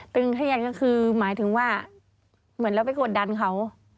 เครียดก็คือหมายถึงว่าเหมือนเราไปกดดันเขา